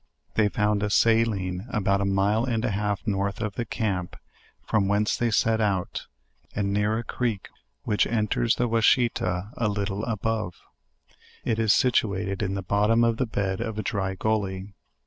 They found a saline, about a mile and a .half 190 JOURNAL OF north of the camp from whence they set out, and near a creek which enters the Washita a little above. It is situated in the bottom of the bed of a dry gully.